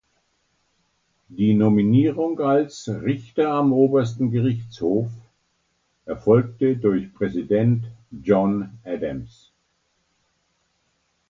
Die Nominierung als Richter am Obersten Gerichtshof erfolgte durch Präsident John Adams.